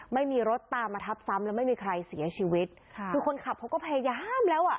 ไม่มีรถตามมาทับซ้ำแล้วไม่มีใครเสียชีวิตค่ะคือคนขับเขาก็พยายามแล้วอ่ะ